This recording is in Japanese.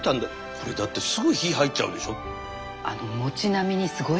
これだってすぐ火入っちゃうでしょ？